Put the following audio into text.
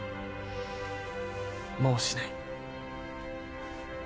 もうしない。